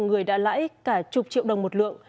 người đã lãi cả chục triệu đồng một lượng